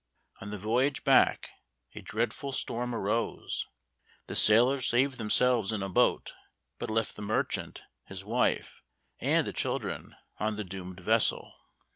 On the voyage back a dreadful storm arose; the sailors saved themselves in a boat, but left the merchant, his wife, and the children on the doomed vessel.